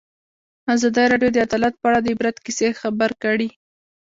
ازادي راډیو د عدالت په اړه د عبرت کیسې خبر کړي.